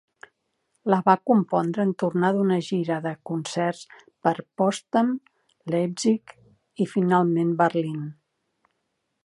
La va compondre en tornar d'una gira de concerts per Potsdam, Leipzig i, finalment, Berlín.